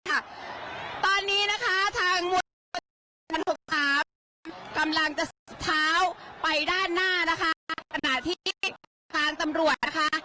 ตอนนี้นะคะทางหกด้านหน้านะคะทางตำรวจนะคะ